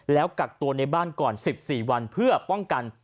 แล้วกักตัวในบ้านก่อน๑๔วันเพื่อป้องกัน